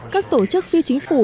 các tổ chức phi chính phủ